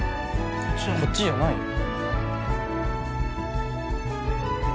こっちじゃないよ